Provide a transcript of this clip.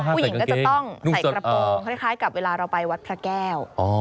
ผู้หญิงก็จะต้องใส่กระโปรงคล้ายกับเวลาเราไปวัดพระแก้ว